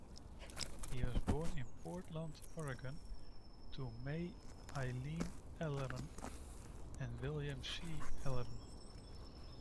He was born in Portland, Oregon to May Eileen Ellern and William C. Ellern.